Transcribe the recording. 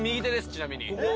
ちなみに。